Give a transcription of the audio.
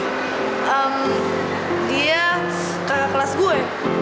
ehm dia kakak kelas gue